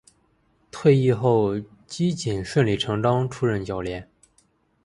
退役后基瑾顺理成章出任教练。